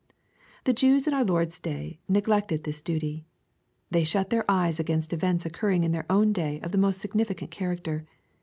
The Jews in our Lord's days neglected this duty. Tney shut their eyes against events occurring in their own day of the most significant character.